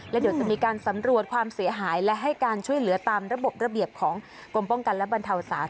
และเดี๋ยวจะมีการสำรวจความเสียหายและให้การช่วยเหลือตามระบบระเบียบของกรมป้องกันและบรรเทาสาธา